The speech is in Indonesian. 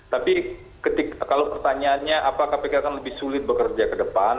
tapi kalau pertanyaannya apakah kpk akan lebih sulit bekerja ke depan